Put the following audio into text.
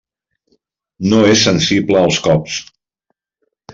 No és sensible als cops.